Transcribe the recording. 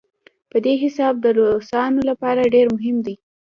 په دې حساب د روسانو لپاره ډېر مهم دی.